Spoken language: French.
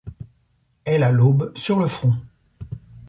Elle a l'aube sur le front ;